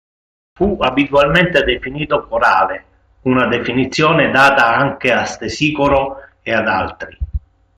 Fu abitualmente definito corale, una definizione data anche a Stesicoro e ad altri.